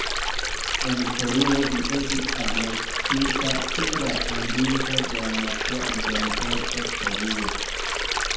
En Peruo li estis agnoskita kiel la fondinto de la nacia identeco perua.